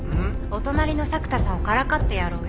お隣の佐久田さんをからかってやろうよ。